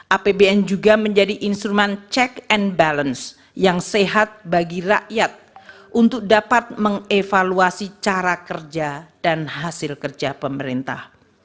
apbn juga menjadi instrumen check and balance yang sehat bagi rakyat untuk dapat mengevaluasi cara kerja dan hasil kerja pemerintah